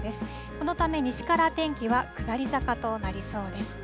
このため西から天気は下り坂となりそうです。